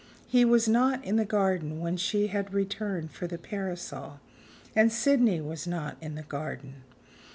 He was not in the garden when she had returned for the parasol; and Sydney was not in the garden.